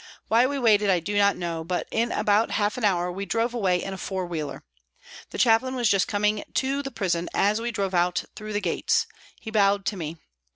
Why we waited I do not know, but in about half an hour we drove away in a four wheeler. The Chaplain was just coming in to the prison as we drove out through the gates ; he bowed to me.